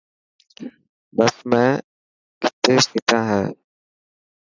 بس ۾ ڪتي سيٽان هي.